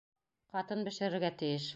Ҡатын бешерергә тейеш.